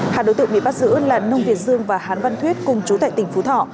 hạt đối tượng bị bắt giữ là nông việt dương và hán văn thuyết cùng chú tại tỉnh phú thọ